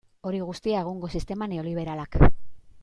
Hori guztia egungo sistema neoliberalak.